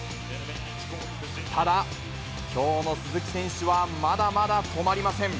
ただ、きょうの鈴木選手はまだまだ止まりません。